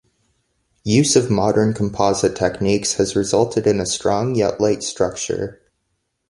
Use of modern composite techniques has resulted in a strong yet light structure.